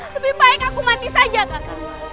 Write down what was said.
lebih baik aku mati saja kakak